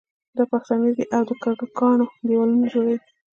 دا پښتانه دي او د کږو کاڼو دېوالونه جوړوي.